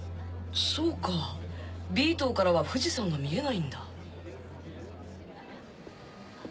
そうか Ｂ 塔からは富士山が見えないんだ